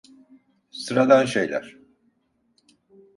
Sıradan şeyler.